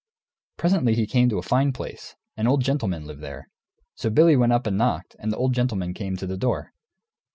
Presently he came to a fine place; an old gentleman lived there. So Billy went up and knocked, and the old gentleman came to the door.